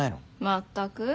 全く。